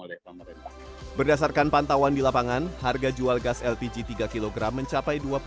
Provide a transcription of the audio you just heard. oleh pemerintah berdasarkan pantauan di lapangan harga jual gas lpg tiga kg mencapai